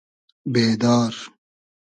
بېدار